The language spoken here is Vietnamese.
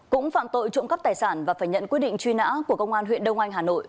cũng phạm tội trộm cắp tài sản và phải nhận quyết định truy nã của công an huyện đông anh hà nội